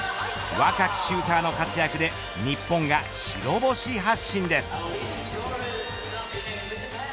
若きシューターの活躍で日本が白星発進です。